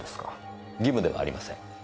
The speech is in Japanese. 義務ではありません。